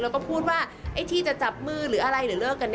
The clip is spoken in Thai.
แล้วก็พูดว่าไอ้ที่จะจับมือหรืออะไรหรือเลิกกัน